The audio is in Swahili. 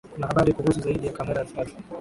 kuna habari kuhusu zaidi ya kamera elfu tatu